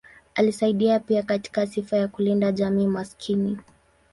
Alisaidia pia katika sifa ya kulinda jamii maskini.